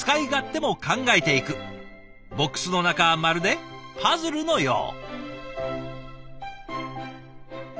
ＢＯＸの中はまるでパズルのよう。